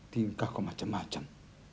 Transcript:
tingkah kok macam macam